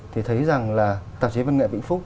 thì thấy rằng là tạp chí văn nghệ vĩnh phúc